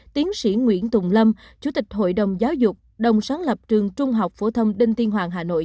tiến sĩ nguyễn tùng lâm chủ tịch hội đồng giáo dục đồng sáng lập trường trung học phổ thông đinh tiên hoàng hà nội